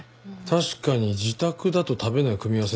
確かに自宅だと食べない組み合わせですよね。